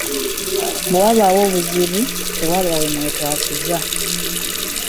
Bwe wabaawo obuzibu tewaba we mwetaasiza.